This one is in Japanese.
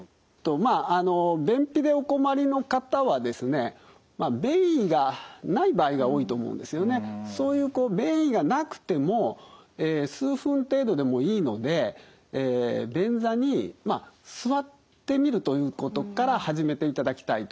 まああの便秘でお困りの方はですねそういうこう便意がなくても数分程度でもいいので便座にまあ座ってみるということから始めていただきたいと。